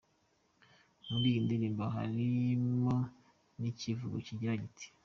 Muri iyi ndirimbo harimo n’icyivugo kigira kiti:.